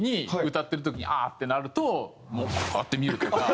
歌ってる時にああってなるともうこうやって見るとか。